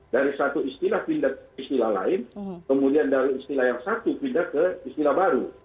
dari satu istilah pindah ke istilah lain kemudian dari istilah yang satu pindah ke istilah baru